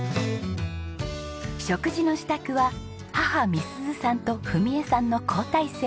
食事の支度は母美鈴さんと史枝さんの交代制。